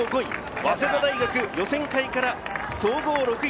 早稲田大学、予選会から総合６位。